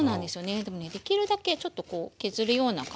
でもねできるだけちょっとこう削るような感じで。